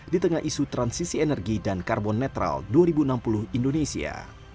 di tengah isu transisi energi dan karbon netral dua ribu enam puluh indonesia